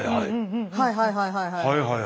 はいはいはいはい。